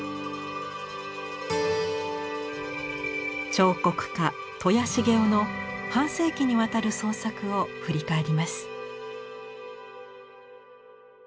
彫刻家戸谷成雄の半世紀にわたる創作を振り返ります。